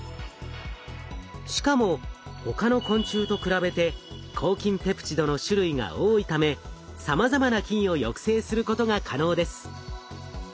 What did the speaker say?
しかも他の昆虫と比べて抗菌ペプチドの種類が多いためさまざまな菌を抑制することが可能です。